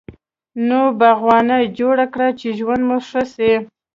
نوي باغوانه جوړ کړي چی ژوند مو ښه سي